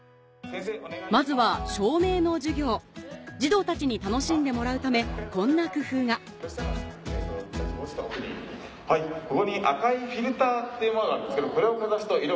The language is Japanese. まずは児童たちに楽しんでもらうためこんな工夫がここに赤いフィルターっていうものがあるんですけど。